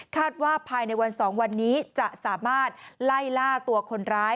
ว่าภายในวัน๒วันนี้จะสามารถไล่ล่าตัวคนร้าย